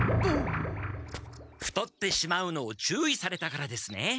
太ってしまうのを注意されたからですね。